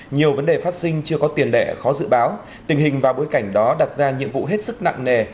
nhiều vấn đề phát sinh chưa có tiền lệ khó dự báo tình hình vào bối cảnh đó đặt ra nhiệm vụ hết sức nặng nề